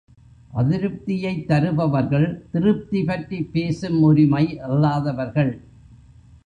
அதிருப்தியைத் தருபவர்கள் திருப்தி பற்றிப் பேசும் உரிமை இல்லாதவர்கள்.